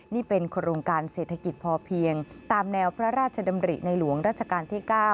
นี่เป็นโครงการเศรษฐกิจพอเพียงตามแนวพระราชดำริในหลวงราชการที่๙